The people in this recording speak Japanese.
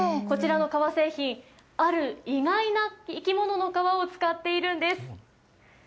こちらの革製品、ある意外な生き物の皮を使っているんです。